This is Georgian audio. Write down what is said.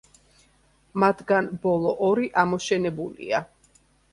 მათგან ბოლო ორი ამოშენებულია.